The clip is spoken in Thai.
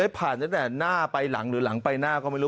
ไม่แน่นหน้าไปหลังหรือหลังไปหน้าก็ไม่รู้